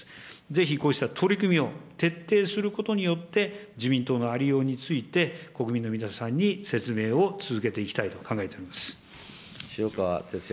ぜひこうした取り組みを徹底することによって、自民党のありようについて、国民の皆さんに説明を続けていきたいと考えております。